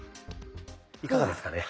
いかがですかね。